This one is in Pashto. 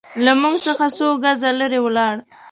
له موږ څخه څو ګزه لرې ولاړ.